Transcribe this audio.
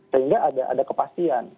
sehingga ada kepastian